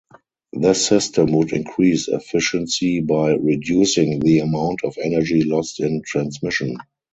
This system would increase efficiency by reducing the amount of energy lost in transmission.